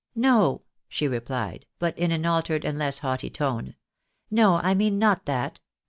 " No !" she repUed, but in an altered and less haughty tone. " No ! I mean not that.